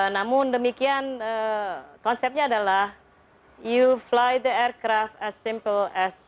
namun demikian konsepnya adalah you fly the aircraft as simple as